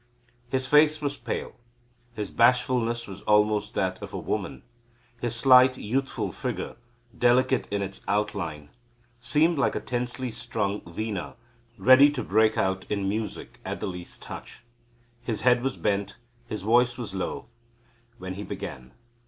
His face was pale, his bashfulness was almost that of a woman, his slight youthful figure, delicate in its outline, seemed like a tensely strung vina ready to break out in music at the least touch. His head was bent, his voice was low, when he began.